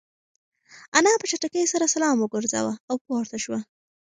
انا په چټکۍ سره سلام وگرځاوه او پورته شوه.